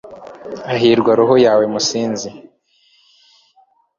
hahirwa roho yawe, musizi